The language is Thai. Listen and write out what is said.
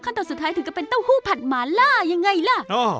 ตนสุดท้ายถึงก็เป็นเต้าหู้ผัดหมาล่ายังไงล่ะ